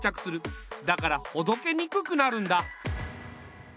だからほどけにくくなるんだ。